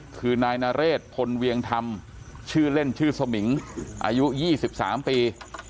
คือนายนเรศพลเวียงธรรมชื่อเล่นชื่อสมิงอายุ๒๓ปี